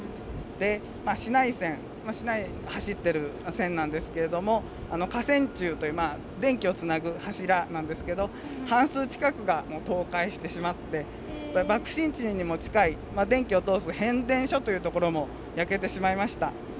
で市内線市内走ってる線なんですけれども架線柱という電気をつなぐ柱なんですけど半数近くが倒壊してしまって爆心地にも近い電気を通す変電所という所も焼けてしまいました。